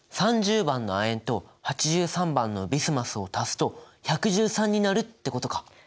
３０番の亜鉛と８３番のビスマスを足すと１１３になるってことか。